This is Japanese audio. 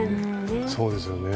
そうですよね。